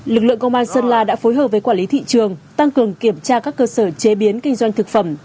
lực lượng công an sơn la đã phối hợp với quản lý thị trường tăng cường kiểm tra các cơ sở chế biến kinh doanh thực phẩm